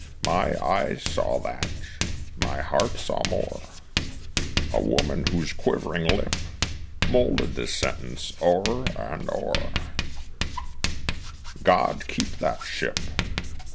My eyes saw that, my heart saw more: A woman whose quivering lip Moulded this sentence o'er and o'er, "God keep that ship!"